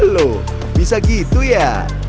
loh bisa gitu ya